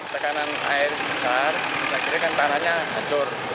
tekanan air besar akhirnya kan tanahnya hancur